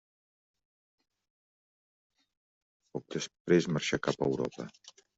Poc després marxà cap a Europa.